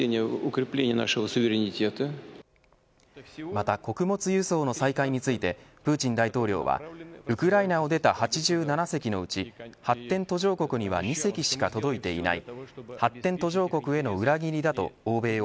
また穀物輸送の再開についてプーチン大統領はウクライナを出た８７隻のうち発展途上国には２隻しか届いていない。